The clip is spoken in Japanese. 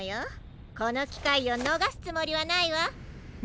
このきかいをのがすつもりはないわ。